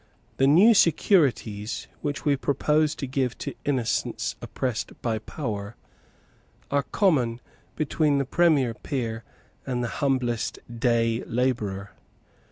The new securities, which we propose to give to innocence oppressed by power, are common between the premier peer and the humblest day labourer.